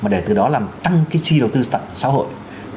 để từ đó làm tăng cái chi đầu tư tận xã hội